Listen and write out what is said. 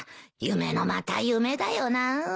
夢のまた夢だよな。